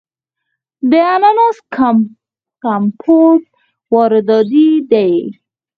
د اناناس کمپوټ وارداتی دی.